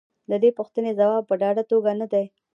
د دې پوښتنې ځواب په ډاډه توګه نه دی.